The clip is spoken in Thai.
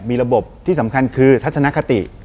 มีระบบที่สำคัญคือทัศนคติ